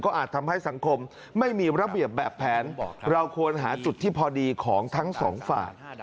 อาจทำให้สังคมไม่มีระเบียบแบบแผนเราควรหาจุดที่พอดีของทั้งสองฝ่าย